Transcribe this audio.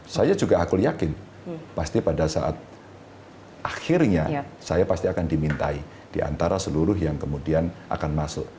saya juga aku yakin pasti pada saat akhirnya saya pasti akan dimintai diantara seluruh yang kemudian akan masuk